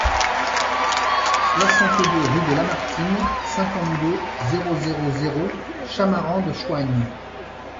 soixante-deux rue de Lamartine, cinquante-deux, zéro zéro zéro, Chamarandes-Choignes